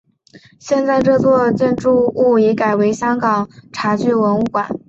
现在这座建筑物已改为香港茶具文物馆。